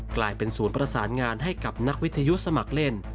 กลายเป็นศูนย์ประสานงานให้กับนักวิทยุสมัครเล่น